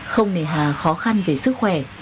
không nề hà khó khăn về sức khúc